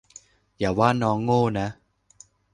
อย่าว่าน้องโง่นะ